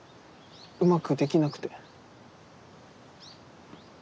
うまくできなくて。